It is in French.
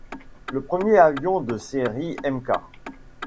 Le premier avion de série Mk.